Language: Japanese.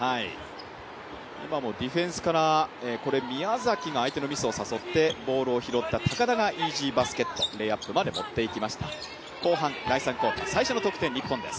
今もディフェンスから宮崎が相手のミスを誘ってボールを拾った高田がイージーバスケットレイアップまで持っていきました。